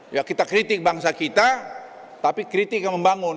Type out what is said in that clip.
ya kita kritik bangsa kita tapi kritik yang membangun